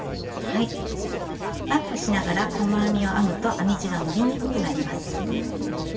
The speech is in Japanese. バックしながら細編みを編むと編み地が伸びにくくなります。